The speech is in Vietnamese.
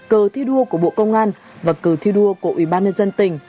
cờ thi đua của bộ công an và cờ thi đua của ủy ban nhân dân tỉnh